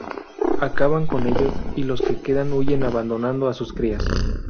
Acaban con ellos, y los que quedan huyen abandonando a sus crías.